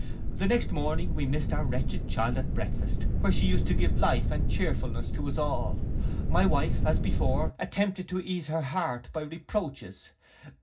The next morning we missed our wretched child at breakfast, where she used to give life and cheerfulness to us all. My wife, as before, attempted to ease her heart by reproaches.